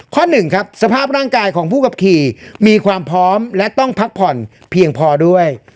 หนึ่งครับสภาพร่างกายของผู้ขับขี่มีความพร้อมและต้องพักผ่อนเพียงพอด้วย